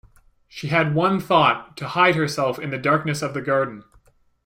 She had one thought — to hide herself in the darkness of the garden.